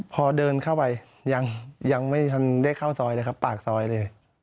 พอเดินเข้าไปยังไม่ทันได้เข้าซอยเลยครับปากซอยเลย